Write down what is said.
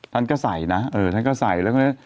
ท่านก็ใส่นะเออท่านก็ใส่แล้วก็เลย